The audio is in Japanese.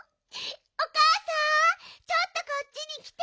おかあさんちょっとこっちにきて！